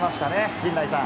陣内さん。